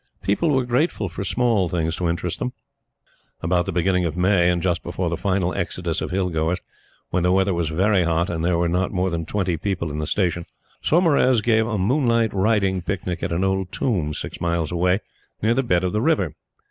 People were grateful for small things to interest them. About the beginning of May, and just before the final exodus of Hill goers, when the weather was very hot and there were not more than twenty people in the Station, Saumarez gave a moonlight riding picnic at an old tomb, six miles away, near the bed of the river.